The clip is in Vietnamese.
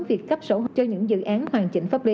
việc cấp sổ cho những dự án hoàn chỉnh pháp lý